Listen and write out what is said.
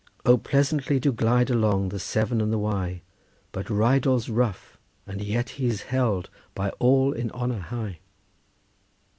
"'O pleasantly do glide along the Severn and the Wye; But Rheidol's rough, and yet he's held by all in honour high.